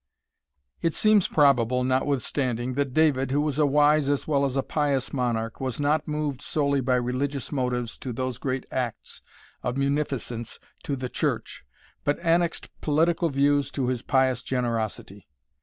It seems probable, notwithstanding, that David, who was a wise as well as a pious monarch, was not moved solely by religious motives to those great acts of munificence to the church, but annexed political views to his pious generosity.